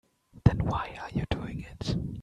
Then why are you doing it?